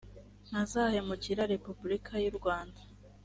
ntazahemukira repubulika y urwanda